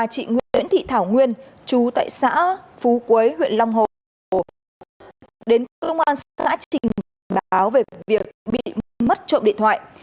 chị nguyễn thị thảo nguyên chú tại xã phú quế huyện long hồ đến công an xã trình trình báo về việc bị mất trộm điện thoại